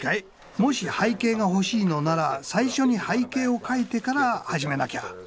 もし背景が欲しいのなら最初に背景を描いてから始めなきゃ。